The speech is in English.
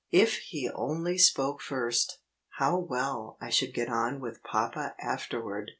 If he only spoke first, how well I should get on with papa afterward!